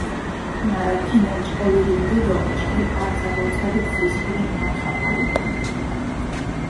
მარა თინა ნჭყოლირი რდჷ დო ჩქი არძა ვორწყედით ზისხირი მართხაფალუდუნ.